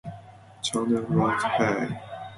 Channel wrote Hey!